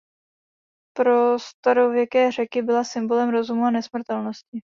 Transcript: Pro starověké Řeky byla symbolem rozumu a nesmrtelnosti.